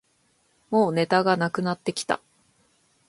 もうネタがなくなってきた